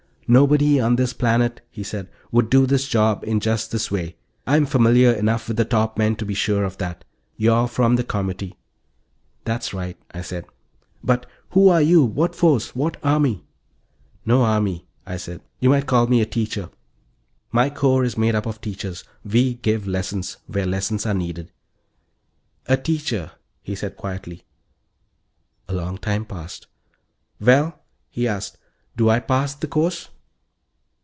"Nobody on this planet," he said, "would do this job in just this way. I'm familiar enough with the top men to be sure of that. You're from the Comity." "That's right," I said. "But ... who are you? What force? What army?" "No army," I said. "You might call me a teacher; my corps is made up of teachers. We give lessons where lessons are needed." "A teacher," he said quietly. A long time passed. "Well," he asked, "do I pass the course?"